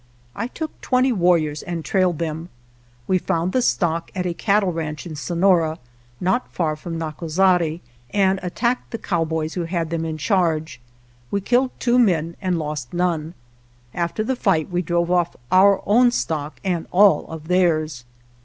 I took twenty warriors and trailed them. We found the stock at a cattle ranch in Sonora, not far from Nacozari, and attacked the cowboys who had them in charge. We killed two men and lost none. After the fight we drove off our own stock and all of theirs.